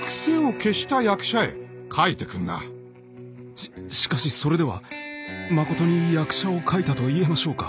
ししかしそれではまことに役者を描いたと言えましょうか。